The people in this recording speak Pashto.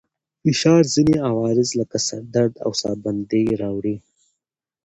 فشار ځينې عوارض لکه سر درد او ساه بندي راوړي.